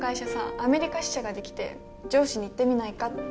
アメリカ支社が出来て上司に行ってみないかって。